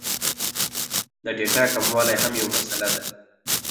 د ډېټا کموالی هم یو مسئله ده